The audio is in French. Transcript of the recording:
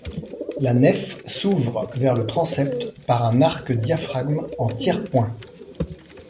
La nef s'ouvre vers le transept par un arc-diaphragme en tiers-point.